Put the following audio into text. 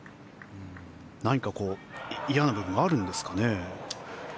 何か嫌な部分があるんですかね。